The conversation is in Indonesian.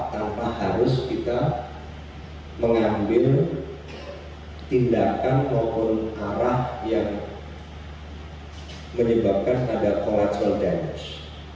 tanpa harus kita mengambil tindakan maupun arah yang menyebabkan ada coller dance